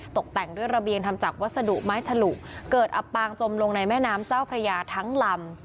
ตกแต่งด้วยระเบียงทำจากวัสดุไม้ฉลุเกิดอับปางจมลงในแม่น้ำเจ้าพระยาทั้งลำ